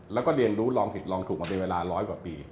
แล้วก็เรียนรู้ลองผิดลองถูกมาเป็นเวลาร้อยกว่าปี